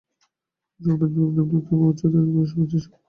পশুগণ, উদ্ভিদগণ ও নিম্নতম হইতে উচ্চতম সত্তা পর্যন্ত সকলেই ভালবাসিয়া থাকে।